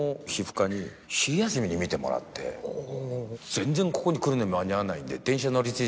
全然ここに来るのに間に合わないんで。